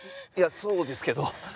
いやそうですけど。